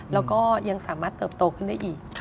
แล้วก็ยังสามารถเติบโตขึ้นได้อีก